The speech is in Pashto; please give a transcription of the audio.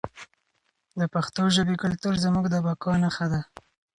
د پښتو ژبې کلتور زموږ د بقا نښه ده.